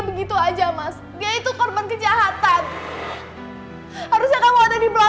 dan kamu memposisikan seakan akan kak nailah yang bersalah